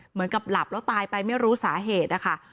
เหมือนกับหลับแล้วตายไปไม่รู้สาเหตุนะคะ